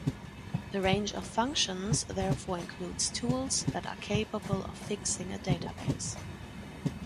The range of functions therefore includes tools that are capable of fixing a database.